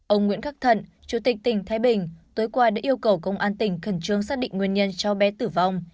ông nguyễn khắc thận chủ tịch tỉnh thái bình tối qua đã yêu cầu công an tỉnh khẩn trương xác định nguyên nhân cháu bé tử vong